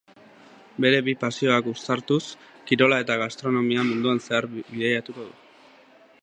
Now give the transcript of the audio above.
Bere bi pasioak uztartuz, kirola eta gastronomia, munduan zehar bidaiatuko du.